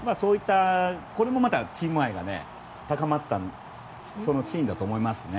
これもまた、チーム愛が高まったシーンだと思います。